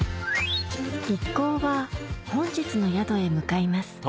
一行は本日の宿へ向かいます